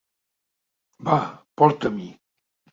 Va, porta-m'hi!...